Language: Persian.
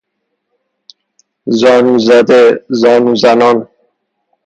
زانو زده، زانو زنان